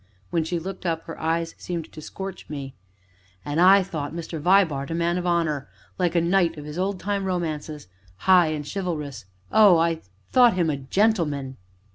When she looked up, her eyes seemed to, scorch me. "And I thought Mr. Vibart a man of honor like a knight of his old time romances, high and chivalrous oh! I thought him a gentleman!"